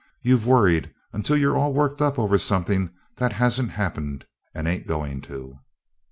"You've worried until you're all worked up over somethin' that hasn't happened and ain't goin' to."